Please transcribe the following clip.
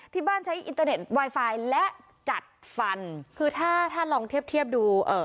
ที่บ้านใช้อินเตอร์เน็ตไวไฟและจัดฟันคือถ้าถ้าลองเทียบเทียบดูเอ่อ